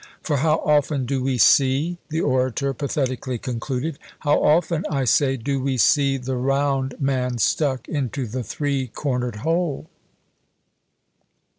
For how often do we see," the orator pathetically concluded, "how often, I say, do we see the round man stuck into the three cornered hole!"